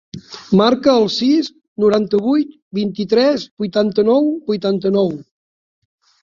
Marca el sis, noranta-vuit, vint-i-tres, vuitanta-nou, vuitanta-nou.